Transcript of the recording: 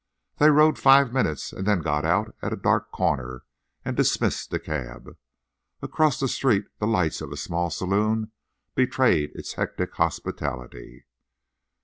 They rode five minutes and then got out on a dark corner and dismissed the cab. Across the street the lights of a small saloon betrayed its hectic hospitality.